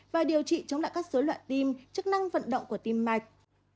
và điều trị chống lại các xứ loại tim chức năng vận động của tim mạch